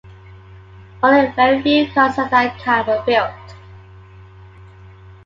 Only very few cars of that kind were built.